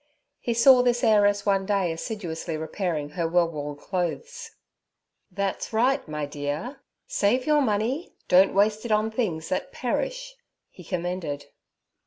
He saw this heiress one day assiduously repairing her well worn clothes. 'That's right, my de ear, save your money; don't waste it on things that perish' he commended.